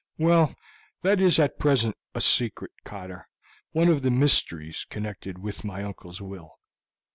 "Well, that is at present a secret, Cotter one of the mysteries connected with my uncle's will.